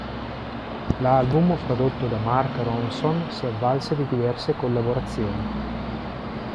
L'album, prodotto da Mark Ronson, si avvale di diverse collaborazioni.